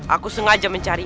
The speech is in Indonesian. aku sengaja mencari